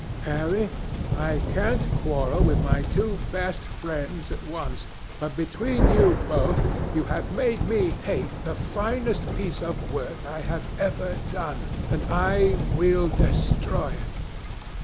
"Harry, I can't quarrel with my two best friends at once, but between you both you have made me hate the finest piece of work I have ever done, and I will destroy it.